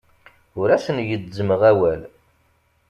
Ur asen-gezzmeɣ awal.